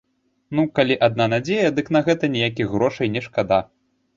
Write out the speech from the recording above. Ну, калі адна надзея, дык на гэта ніякіх грошай не шкада.